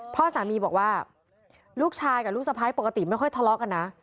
พ่อสามีบอกว่าลูกชายกับลูกสะพ้ายปกติไม่ค่อยทะเลาะกันนะ